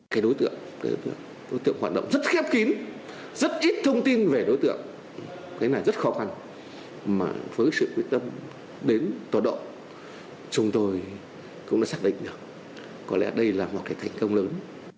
cái đối tượng đối tượng hoạt động rất khi khép kín rất ít thông tin về đối tượng cái này rất khó khăn mà với sự quyết tâm đến tọa độ chúng tôi cũng đã xác định được có lẽ đây là một cái thành công lớn